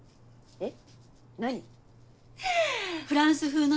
えっ？